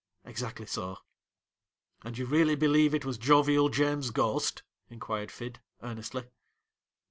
' Exactly so.' 'And you really believe it was Jovial James's ghost,' inquired Fid, earnestly.